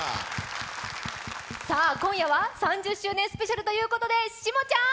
さあ、今夜は３０周年スペシャルということでしもちゃん！